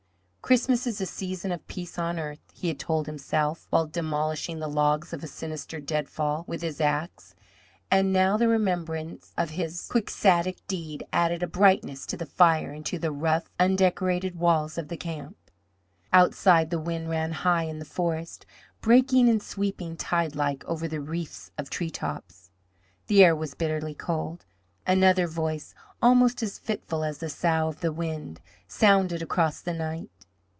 "Christmas is a season of peace on earth," he had told himself, while demolishing the logs of a sinister deadfall with his axe; and now the remembrance of his quixotic deed added a brightness to the fire and to the rough, undecorated walls of the camp. Outside, the wind ran high in the forest, breaking and sweeping tidelike over the reefs of treetops. The air was bitterly cold. Another voice, almost as fitful as the sough of the wind, sounded across the night.